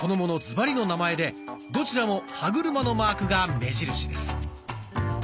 ズバリの名前でどちらも歯車のマークが目印です。